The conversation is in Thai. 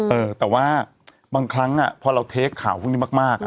เออแต่ว่าบางครั้งพอเราเทคข่าวพวกนี้มาก